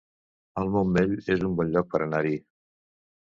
El Montmell es un bon lloc per anar-hi